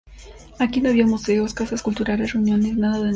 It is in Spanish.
Aquí no había museos, casas culturales, reuniones, ¡nada de nada!